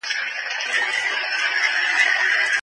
افغان ښوونکي د بهرنیو اقتصادي مرستو پوره حق نه لري.